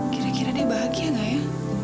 kira kira deh bahagia gak ya